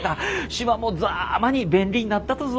島もざぁまに便利になったとぞ。